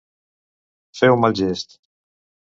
Fer un mal gest.